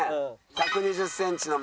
１２０センチの的。